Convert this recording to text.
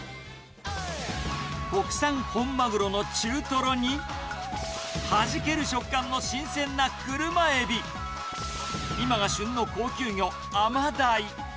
国産本マグロの中トロに、はじける食感の新鮮な車エビ、今が旬の高級魚、アマダイ。